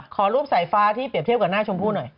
ขอรูปสายฟ้าที่เปรียบเทียบกับหน้าชมพู่หน่อย